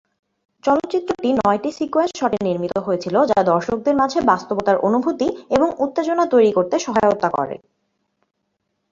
চলচ্চিত্রটি নয়টি সিকোয়েন্স শটে নির্মিত হয়েছিল যা দর্শকদের মাঝে বাস্তবতার অনুভূতি এবং উত্তেজনা তৈরি করতে সহায়তা করে।